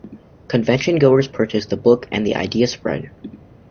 Convention goers purchased the book and the idea spread.